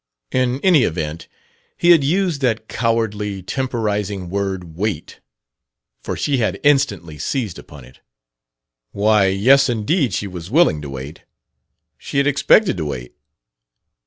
In any event, he had used that cowardly, temporizing word "wait" for she had instantly seized upon it. Why, yes, indeed; she was willing to wait; she had expected to wait....